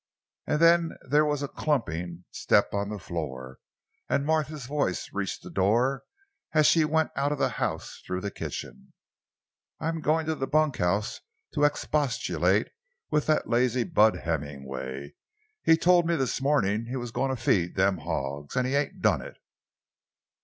And then there was a clumping step on the floor, and Martha's voice reached the door as she went out of the house through the kitchen: "I's goin' to the bunkhouse to expostulate wif that lazy Bud Hemmingway. He tole me this mawnin' he's gwine feed them hawgs—an' he ain't done it!"